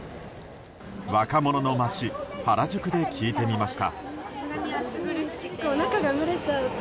若者の街原宿で聞いてみました。